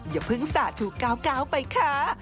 อย่าเพิ่งสาดถูกก้าวไปค่ะ